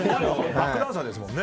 バックダンサーですもんね。